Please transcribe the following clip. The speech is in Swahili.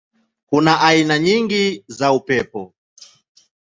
Kuna aina nyingi za upepo.